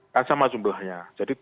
kan sama jumlahnya